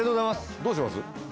どうします？